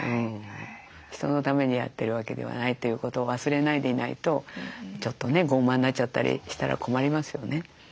人のためにやってるわけではないということを忘れないでいないとちょっとね傲慢になっちゃったりしたら困りますよね。